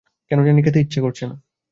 কেন জানি খেতে ইচ্ছা করছে না।